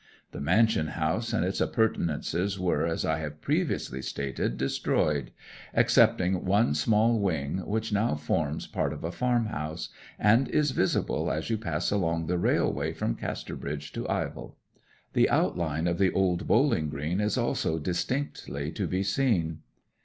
The mansion house and its appurtenances were, as I have previously stated, destroyed, excepting one small wing, which now forms part of a farmhouse, and is visible as you pass along the railway from Casterbridge to Ivel. The outline of the old bowling green is also distinctly to be seen.